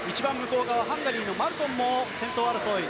ハンガリーのマルトンも先頭争い。